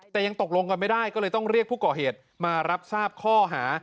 แต่ยังตกลงกันไม่ได้ก็เลยต้องเรียกผู้ก่อเหตุมารับทราบข้อหา